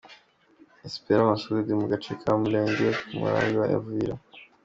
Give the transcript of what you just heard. Espera Masudi mu gace ka Mulenge ku murambi wa Uvira.